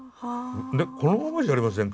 でこのままじゃありませんか？